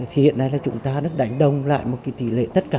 hiện nay chúng ta đã đánh đông lại một tỷ lệ tất cả